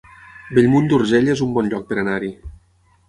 Bellmunt d'Urgell es un bon lloc per anar-hi